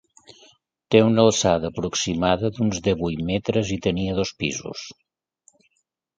Té una alçada aproximada d'uns divuit metres i tenia dos pisos.